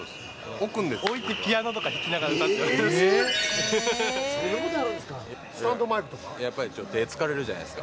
置いてピアノとか弾きながら歌ってます。